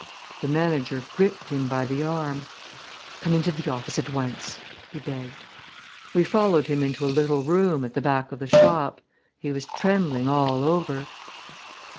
The manager gripped him by the arm. "Come into the office at once!" he begged. We followed him into a little room at the back of the shop. He was trembling all over.